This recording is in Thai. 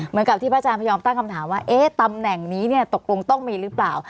เหมือนกับที่พระอาจารย์พยอมตั้งคำถามว่าตำแหน่งนี้ตกลงต้องมีหรือเปล่า